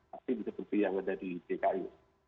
tapi seperti yang ada di tki